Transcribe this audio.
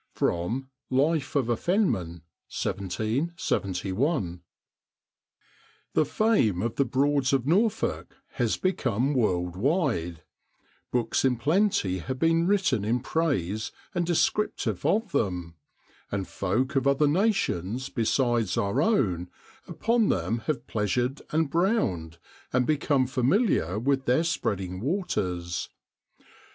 Life of a Fenman, 1771. HE fame of the Broads of Norfolk has become world wide; books in plenty have been written in praise, and descriptive of them; and folk of other nations besides our own upon them have pleasured and ' browned,' and become familiar with their spreading waters.